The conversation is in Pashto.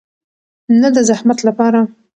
نه د زحمت لپاره.